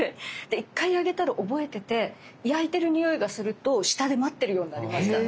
で一回あげたら覚えてて焼いてる匂いがすると下で待ってるようになりました。